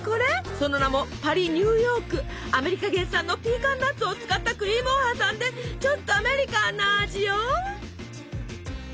その名もアメリカ原産のピーカンナッツを使ったクリームを挟んでちょっとアメリカンな味よ。